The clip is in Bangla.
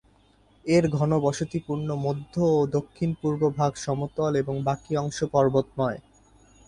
এর ঘনবসতিপূর্ণ মধ্য ও দক্ষিণ-পূর্ব ভাগ সমতল এবং বাকি অংশ পর্বতময়।